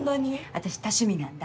私多趣味なんだ。